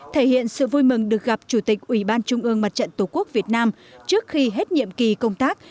thể hiện sự vui mừng được gặp chủ tịch ủy ban trung ương mặt trận tổ quốc việt nam trước khi hết nhiệm kỳ công tác